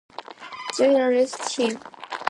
They arrest him.